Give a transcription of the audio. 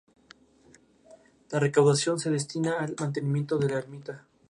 La recaudación se destina al mantenimiento de la ermita.